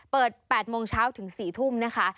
เปิด๘โมงเช้าถึง๔ทุ่มนะคะ